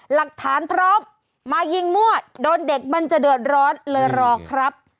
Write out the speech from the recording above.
หลักฐานพร้อมมายิงมั่วโดนเด็กมันจะเดือดร้อนเลยรอครับ